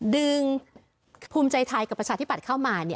ดึงภูมิใจไทยกับประชาธิปัตย์เข้ามา